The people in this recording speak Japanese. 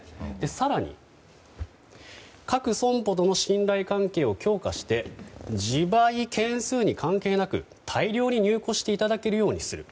更に、各損保との信頼関係を強化して、自賠件数に関係なく大量に入庫していただけるようにする。